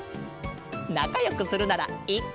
なかよくするならいっか！